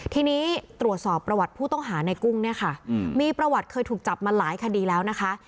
ทีนี้ตรวจสอบประวัติผู้ต้องหาในกุ้งเนี่ยค่ะมีประวัติเคยถูกจับมาหลายคดีแล้วนะคะ